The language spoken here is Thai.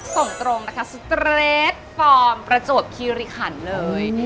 ส่งตรงนะคะสเกรดฟอร์มประจวบคิริขันเลย